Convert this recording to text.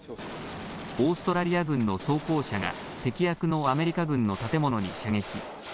オーストラリア軍の装甲車が敵役のアメリカ軍の建物に射撃。